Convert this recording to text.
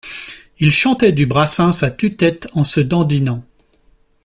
Ils chantaient du Brassens à tue-tête en se dandinant